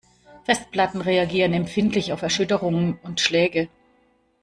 Festplatten reagieren empfindlich auf Erschütterungen und Schläge.